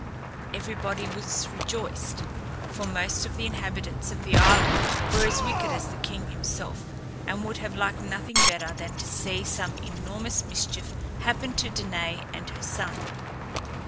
Everybody was rejoiced, for most of the inhabitants of the island were as wicked as the king himself and would have liked nothing better than to see some enormous mischief happen to Danaë and her son.